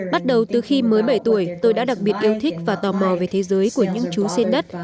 bắt đầu từ khi mới bảy tuổi tôi đã đặc biệt yêu thích và tò mò về thế giới của những chú sen đất